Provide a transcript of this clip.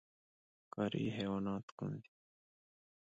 ښکاري حیوانات کوم دي؟